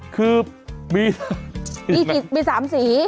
คือมี๓สี